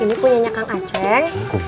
ini punyanya kang aceng